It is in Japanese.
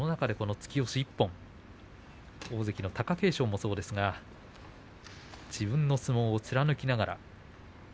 突き押し１本大関の貴景勝もそうですが自分の相撲を貫きながら。